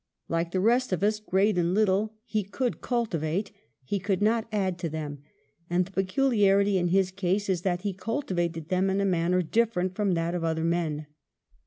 Like the rest of us, great and little, he could cultivate, he could not add to them ; and the peculiarity in his case is that he cultivated them in a manner diflTerent from that of other men.